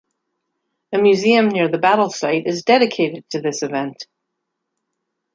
A museum near the battle site is dedicated to this event.